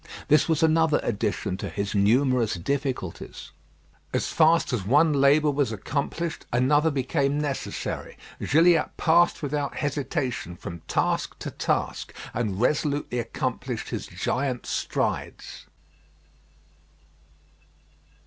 This was another addition to his numerous difficulties. As fast as one labour was accomplished another became necessary. Gilliatt passed without hesitation from task to task, and resolutely accomplished his giant strides.